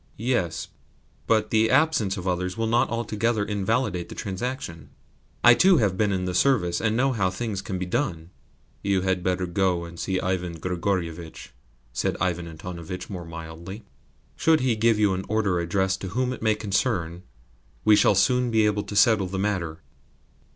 "Yes, but the absence of others will not altogether invalidate the transaction. I too have been in the service, and know how things can be done." "You had better go and see Ivan Grigorievitch," said Ivan Antonovitch more mildly. "Should he give you an order addressed to whom it may concern, we shall soon be able to settle the matter."